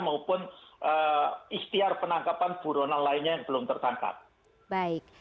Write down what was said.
maupun istiar penangkapan buronal lainnya yang belum tertangkap